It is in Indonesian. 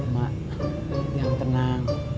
mak yang tenang